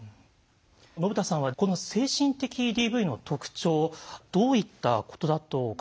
信田さんはこの精神的ＤＶの特徴どういったことだとお考えになってますか？